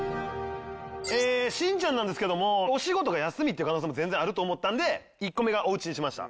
しんちゃんなんですけどもお仕事が休みって可能性も全然あると思ったんで１個目がおうちにしました。